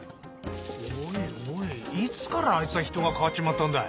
おいおいいつからあいつは人が変わっちまったんだい。